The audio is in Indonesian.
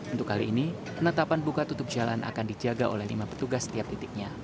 untuk kali ini penetapan buka tutup jalan akan dijaga oleh lima petugas setiap titiknya